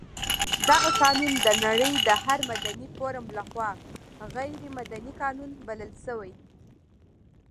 دغه قانون د نړۍ د هر مدني فورم لخوا غیر مدني قانون بلل شوی.